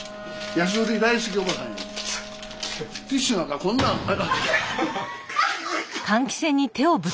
ティッシュなんかこんなん痛っ！